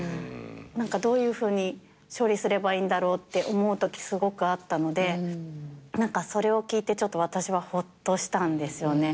何かどういうふうに処理すればいいんだろうって思うときすごくあったのでそれを聞いて私はほっとしたんですよね。